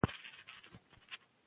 حیا اوس شعرونه خپروي.